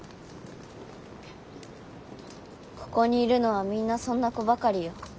ここにいるのはみんなそんな子ばかりよ。